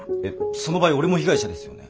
その場合俺も被害者ですよね？